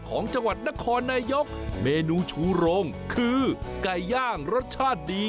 ของจังหวัดนครนายกเมนูชูโรงคือไก่ย่างรสชาติดี